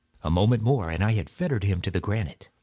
A moment more and I had fettered him to the granite.